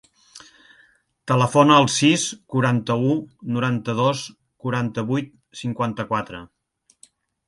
Telefona al sis, quaranta-u, noranta-dos, quaranta-vuit, cinquanta-quatre.